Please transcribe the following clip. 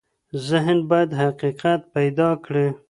ذهن بايد حقيقت پيدا کړي.